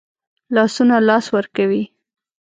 لاسونه لاس ورکوي